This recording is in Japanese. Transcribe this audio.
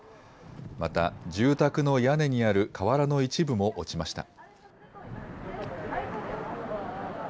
また住宅の屋根にある瓦の一部も落ちました。